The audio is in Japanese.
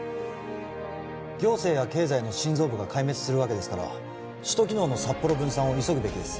行政や経済の心臓部が壊滅するわけですから首都機能の札幌分散を急ぐべきです